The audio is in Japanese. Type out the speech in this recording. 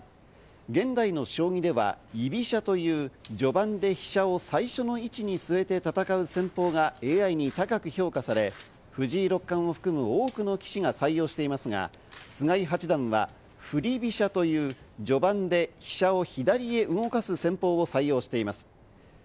現代の将棋では居飛車という序盤で飛車を最初の位置にすえて戦う戦法がＡＩに高く評価され、藤井六冠を含む多くの棋士が採用していますが、菅井八段は振り飛車という序盤で飛車を左へ動かす戦法を採用しています。